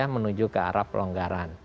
menuju ke arah pelonggaran